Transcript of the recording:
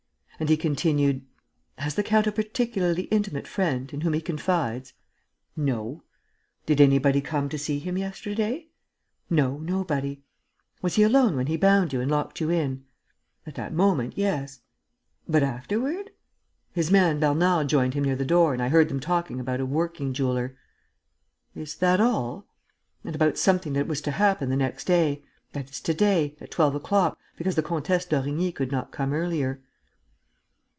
And he continued, "Has the count a particularly intimate friend ... in whom he confides?" "No." "Did anybody come to see him yesterday?" "No, nobody." "Was he alone when he bound you and locked you in?" "At that moment, yes." "But afterward?" "His man, Bernard, joined him near the door and I heard them talking about a working jeweller...." "Is that all?" "And about something that was to happen the next day, that is, to day, at twelve o'clock, because the Comtesse d'Origny could not come earlier."